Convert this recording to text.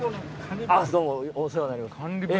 お世話になります。